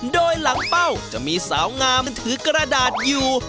โดยหลังเป้าจะมีสาวงามถือกระดาษอยู่